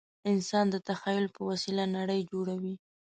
انسان د تخیل په وسیله نړۍ جوړوي.